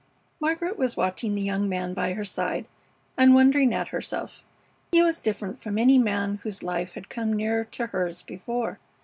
Margaret was watching the young man by her side and wondering at herself. He was different from any man whose life had come near to hers before.